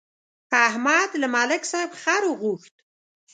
احمد له ملک صاحب خر وغوښت.